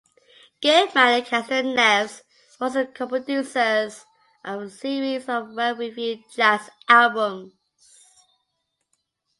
Goodman and Castro-Neves were also co-producers of a series of well-reviewed jazz albums.